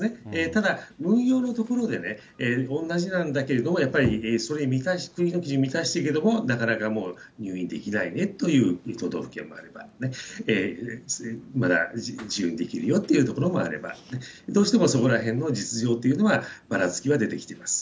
ただ、運用のところで同じなんだけれども、やっぱりそれに満たしているけれども、なかなかもう入院できないねという都道府県もあれば、まだ自由にできるよっていう所もあれば、どうしてもそこらへんの実情というのは、ばらつきは出てきています。